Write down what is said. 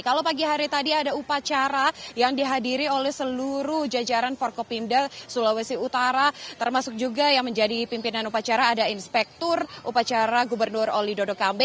kalau pagi hari tadi ada upacara yang dihadiri oleh seluruh jajaran forkopimda sulawesi utara termasuk juga yang menjadi pimpinan upacara ada inspektur upacara gubernur oli dodo kambe